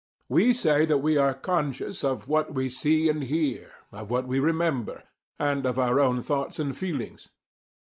We say that we are "conscious" of what we see and hear, of what we remember, and of our own thoughts and feelings.